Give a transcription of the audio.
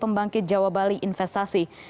pembangkit jawa bali investasi